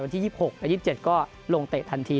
ที่๒๖และ๒๗ก็ลงเตะทันที